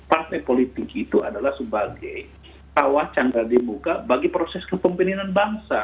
partai politik itu adalah sebagai tawah canda di muka bagi proses kepemimpinan bangsa